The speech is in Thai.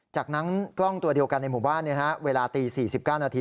จากนั้นกล้องตัวเดียวกันในหมู่บ้านเวลาตี๔๙นาที